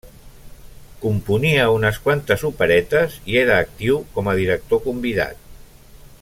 Componia unes quantes operetes, i era actiu com a director convidat.